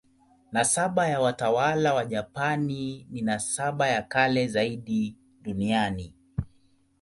Nasaba ya watawala wa Japani ni nasaba ya kale zaidi duniani.